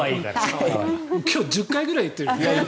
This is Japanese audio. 今日１０回ぐらい言ってるよね。